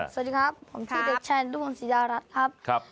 สวัสดีครับผมชื่อเด็กชายนด้วงศิรารัฐครับ